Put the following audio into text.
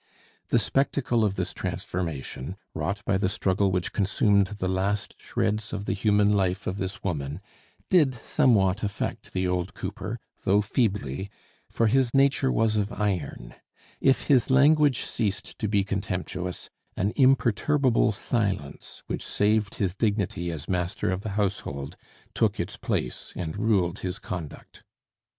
The spectacle of this transformation wrought by the struggle which consumed the last shreds of the human life of this woman, did somewhat affect the old cooper, though feebly, for his nature was of iron; if his language ceased to be contemptuous, an imperturbable silence, which saved his dignity as master of the household, took its place and ruled his conduct.